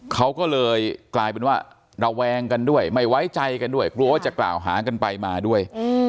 เขาก็เลยกลายเป็นว่าระแวงกันด้วยไม่ไว้ใจกันด้วยกลัวว่าจะกล่าวหากันไปมาด้วย